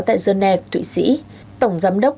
tại geneva thụy sĩ tổng giám đốc